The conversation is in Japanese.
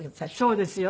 そうですよ。